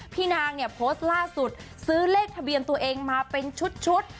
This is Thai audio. พี่นางเนี่ยโพสต์ล่าสุดซื้อเลขทะเบียนตัวเองมาเป็นชุด